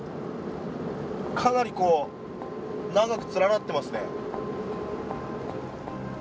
かなりこう長く連なっていますね。